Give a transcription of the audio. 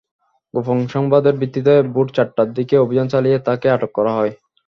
গোপন সংবাদের ভিত্তিতে ভোর চারটার দিকে অভিযান চালিয়ে তাঁকে আটক করা হয়।